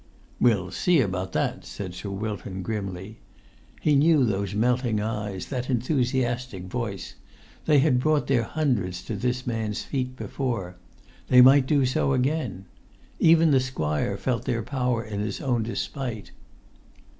"We'll see about that," said Sir Wilton grimly. He knew those melting eyes, that enthusiastic voice.[Pg 98] They had brought their hundreds to this man's feet before. They might do so again. Even the squire felt their power in his own despite.